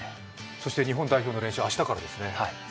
そして日本代表の練習明日からですね。